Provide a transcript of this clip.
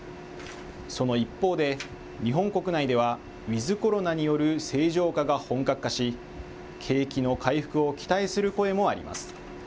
その一方で日本国内ではウィズコロナによる正常化が本格化し景気の回復を期待する声もあります。